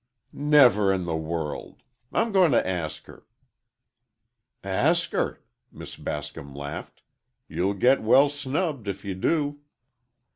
"Never in the world! I'm going to ask her." "Ask her!" Miss Bascom laughed. "You'll get well snubbed if you do."